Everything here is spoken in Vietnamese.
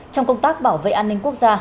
trong công tác bảo vệ an ninh quốc gia